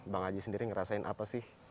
bang aji sendiri ngerasain apa sih